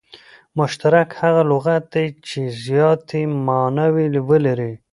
مشترک هغه لغت دئ، چي زیاتي ماناوي ولري.